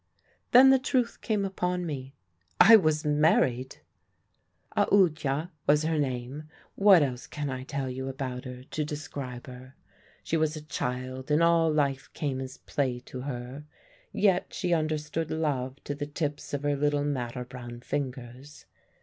Then the truth came upon me I was married! "Aoodya was her name. What else can I tell you about her, to describe her? She was a child, and all life came as play to her, yet she understood love to the tips of her little madder brown fingers.